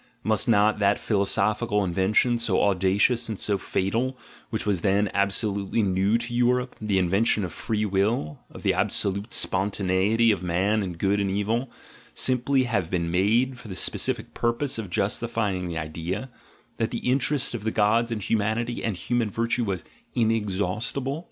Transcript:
Must not that philosophic invention, so audacious and so fatal, which was then absolutely new to Europe, the in vention of "free will," of the absolute spontaneity of man in good and evil, simply have been made for the specific "GUILT" AND "BAD CONSCIENCE" 57 purpose of justifying the idea, that the interest of the gods in humanity and human virtue was inexhaustible?